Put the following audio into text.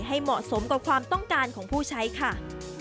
ให้เหมาะสมกับความต้องการของผู้ใช้ค่ะ